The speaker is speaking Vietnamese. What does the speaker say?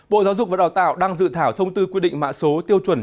bộ giáo dục và đào tạo đang dự thảo thông tư quy định mạ số tiêu chuẩn